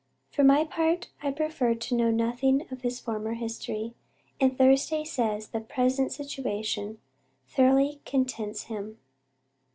"For my part, I prefer to know nothing of his former history, and Thursday says the present situation thoroughly contents him."